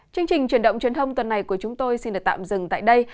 chương trình truyền động truyền thông tuần này của chúng tôi xin được tạm dừng tại đây